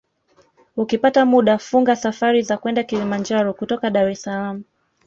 Ukipata muda funga safari za kwenda Kilimanjaro kutoka Dar es Salaam